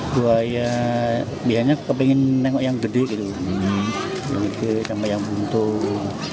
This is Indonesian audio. buaya biasanya pengen nengok yang gede gitu nengok yang untung